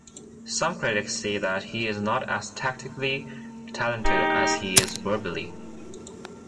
Some critics say that he is not as tactically talented as he is verbally.